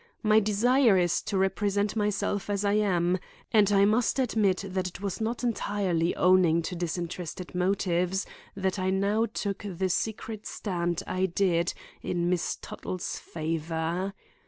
My desire is to represent myself as I am, and I must admit that it was not entirely owing to disinterested motives that I now took the secret stand I did in Miss Tuttle's favor.